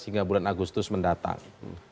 hingga bulan agustus mendatang